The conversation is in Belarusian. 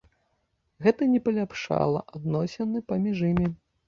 Гэта не палепшыла адносіны паміж імі.